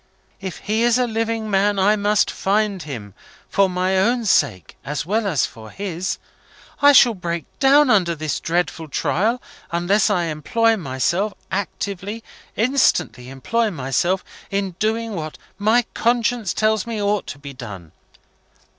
If he is a living man, I must find him: for my own sake, as well as for his. I shall break down under this dreadful trial, unless I employ myself actively, instantly employ myself in doing what my conscience tells me ought to be done.